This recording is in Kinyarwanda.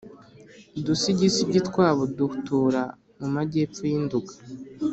udusigisigi twabo dutura mu majyepfo y'i nduga